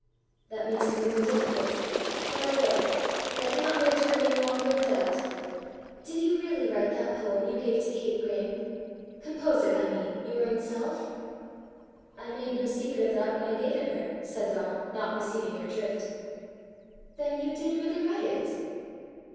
"That makes it the more difficult; but I will I cannot bear to remain longer in doubt: did you really write that poem you gave to Kate Graeme compose it, I mean, your own self?" "I made no secret of that when I gave it her," said Donal, not perceiving her drift. "Then you did really write it?"